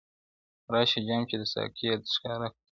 راشه جــــــــام چې د ساقي ئې درښکاره کړم